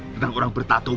tentang orang bertattoo